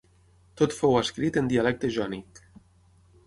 Tot fou escrit en dialecte jònic.